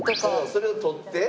それを取って置く。